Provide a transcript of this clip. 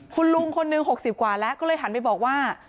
คุณลุงคนหนึ่ง๖๐กว่าแล้วก็เลยหันไปบอกว่า